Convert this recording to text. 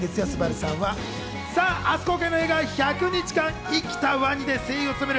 さぁ、明日公開の映画『１００日間生きたワニ』で声優を務める